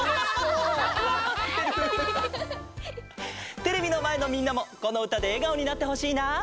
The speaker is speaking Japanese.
テレビのまえのみんなもこのうたでえがおになってほしいな。